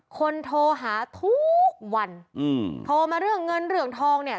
โทรหาทุกวันอืมโทรมาเรื่องเงินเรื่องทองเนี่ย